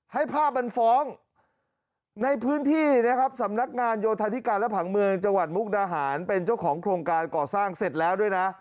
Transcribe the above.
ให้ภาพมันฟ้องในพื้นที่นะครับสำนักงานโยธาธิการและผังเมืองจังหวัดมุกดาหารเป็นเจ้าของโครงการก่อสร้างเสร็จแล้วด้วยนะ